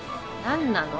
何なの？